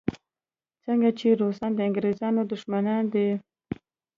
څرنګه چې روسان د انګریزانو دښمنان دي.